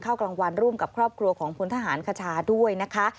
กลางวันร่วมกับครอบครัวของพลทหารคชาด้วยนะคะ